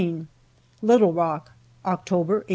LITTLE ROCK, OCTOBER, 1863.